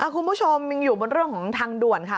คุณผู้ชมยังอยู่บนเรื่องของทางด่วนค่ะ